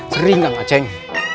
sering kang maceng